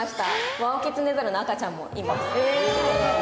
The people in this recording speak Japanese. ワオキツネザルの赤ちゃんもいます。